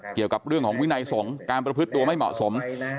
เกี่ยวกับเรื่องของวินัยสงฆ์การประพฤติตัวไม่เหมาะสม